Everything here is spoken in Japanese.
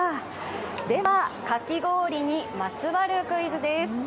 では、かき氷にまつわるクイズです